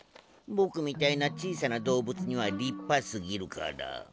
僕みたいな小さな動物には立派すぎるから。